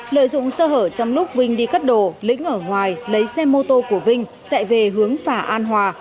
trong lúc vinh đi cất đồ lĩnh ở ngoài lấy xe mô tô của vinh chạy về hướng phả an hòa